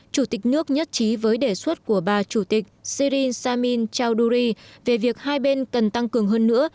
chủ tịch nước nhất trí với đề xuất của bà chủ tịch sirin samin charuri về việc hai bên cần tăng cường hơn nữa